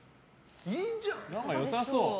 何か良さそう。